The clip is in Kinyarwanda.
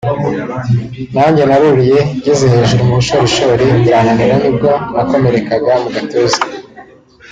« Nanjye naruriye ngeze hejuru mu bushorishori birananira nibwo nakomerekaga mu gatuza